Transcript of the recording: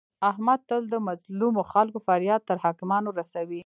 احمد تل د مظلمو خلکو فریاد تر حاکمانو رسوي.